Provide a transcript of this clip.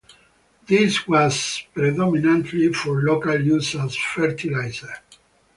This was predominantly for local use as fertiliser.